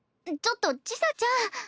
ちょっと千紗ちゃん。